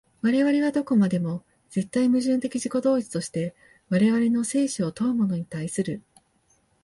我々はどこまでも絶対矛盾的自己同一として我々の生死を問うものに対する。